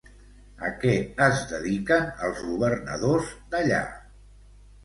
A què es dediquen els governadors d'allà?